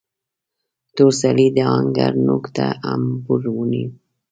تور سړي د آهنګر نوک ته امبور ونيو.